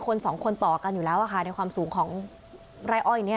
คนสองคนต่อกันอยู่แล้วค่ะในความสูงของไร่อ้อยนี้